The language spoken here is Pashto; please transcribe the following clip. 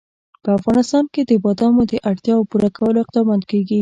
په افغانستان کې د بادامو د اړتیاوو پوره کولو اقدامات کېږي.